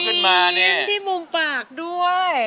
อินโทรขึ้นมายิ้มที่มุมปากด้วย